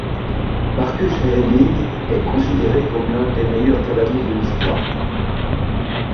Marcus Ehning est considéré comme l'un des meilleurs cavaliers de l'histoire.